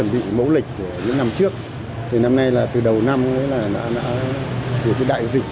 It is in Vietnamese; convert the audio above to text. với các loại lịch